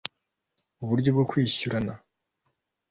uburyo bwo kwishyurana